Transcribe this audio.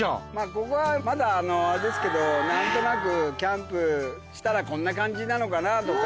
ここはまだあのあれですけど何となくキャンプしたらこんな感じなのかなとか。